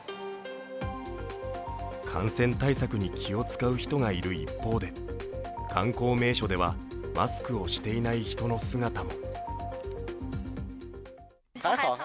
感染対策に気を遣う人がいる一方で観光名所ではマスクをしていない人の姿も。